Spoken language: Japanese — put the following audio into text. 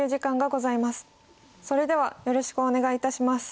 それではよろしくお願いいたします。